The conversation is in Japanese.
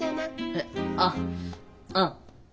えあっうん。